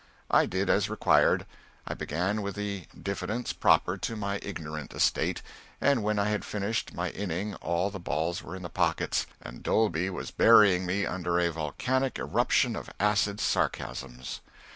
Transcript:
I did as required. I began with the diffidence proper to my ignorant estate, and when I had finished my inning all the balls were in the pockets and Dolby was burying me under a volcanic irruption of acid sarcasms.